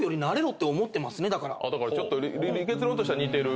だからちょっと結論としては似てる。